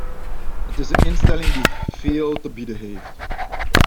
Het is een instelling die veel te bieden heeft.